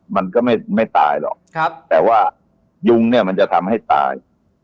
มันก็ไม่ตายหรอกแต่ว่ายุงเนี่ยมันจะทำให้ตาย